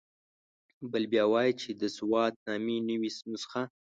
بل بیا وایي چې د سوات نامې نوې نسخه.